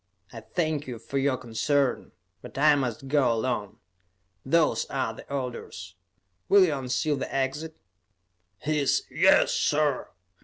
I thank you for your concern, but I must go alone. Those are the orders. Will you unseal the exit?" His "Yes, sir!"